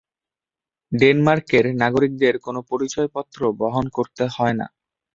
ডেনমার্কের নাগরিকদের কোন পরিচয়পত্র বহন করতে হয় না।